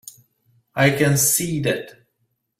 I can see that.